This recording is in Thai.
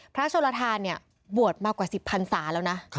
พระชนธานบวชมากกว่า๑๐๐๐๐ศาแล้วนะ